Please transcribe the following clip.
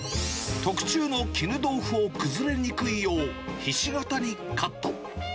特注の絹豆腐を崩れにくいよう、ひし形にカット。